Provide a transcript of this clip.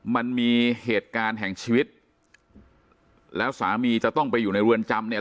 มันมีเหตุการณ์แห่งชีวิตแล้วสามีจะต้องไปอยู่ในเรือนจำเนี่ย